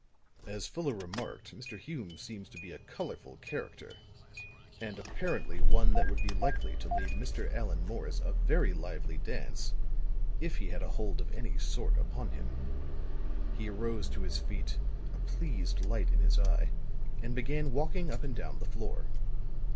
"As Fuller remarked, Mr. Hume seems to be a colorful character. And apparently one that would be likely to lead Mr. Allan Morris a very lively dance if he had a hold of any sort upon him." He arose to his feet, a pleased light in his eye, and began walking up and down the floor.